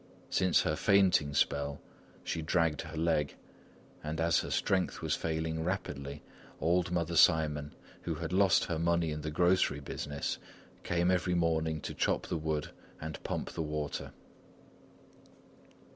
Since her fainting spell, she dragged her leg, and as her strength was failing rapidly, old Mother Simon, who had lost her money in the grocery business, came every morning to chop the wood and pump the water.